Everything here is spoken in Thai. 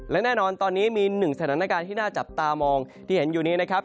และแน่นอนตอนนี้มีหนึ่งสถานการณ์ที่น่าจับตามองที่เห็นอยู่นี้นะครับ